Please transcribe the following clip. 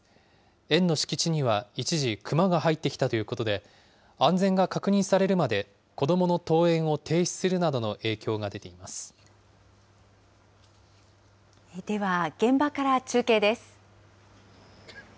園の敷地には一時、クマが入ってきたということで、安全が確認されるまで子どもの登園を停止するなどの影響が出ていでは、現場から中継です。